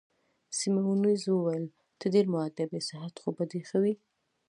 سیمونز وویل: ته ډېر مودب يې، صحت خو به دي ښه وي؟